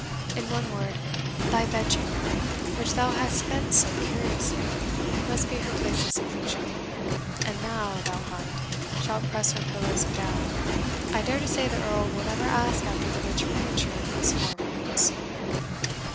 In one word, thy bedchamber, which thou hast fenced so curiously, must be her place of seclusion; and thou, thou hind, shalt press her pillows of down. I dare to say the Earl will never ask after the rich furniture of these four rooms."